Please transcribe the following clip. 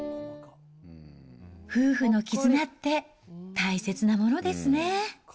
夫婦の絆って、大切なものですね。